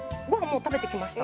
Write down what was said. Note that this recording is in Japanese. もう食べてきました？